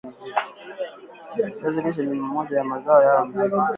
Viazi lishe ni moja ya mazao ya mizizi